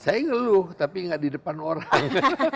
saya ngeluh tapi nggak di depan orang